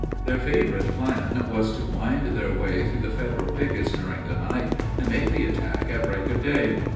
Their favorite plan was to wind their way through the Federal pickets during the night, and make the attack at break of day.